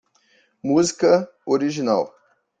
Música original.